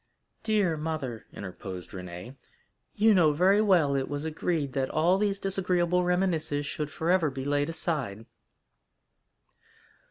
"Dear mother," interposed Renée, "you know very well it was agreed that all these disagreeable reminiscences should forever be laid aside."